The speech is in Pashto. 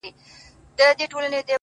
درته به وايي ستا د ښاريې سندري;